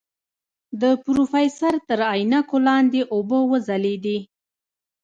د پروفيسر تر عينکو لاندې اوبه وځلېدې.